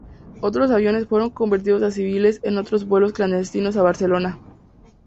Otros aviones fueron convertidos a civiles en estos vuelos clandestinos a Barcelona.